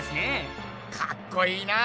かっこいいな！